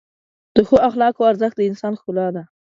د ښو اخلاقو ارزښت د انسان ښکلا ده.